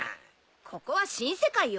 ここは新世界よ。